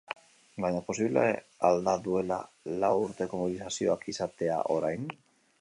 Baina, posible al da duela la u urteko mobilizazioak izatea orain?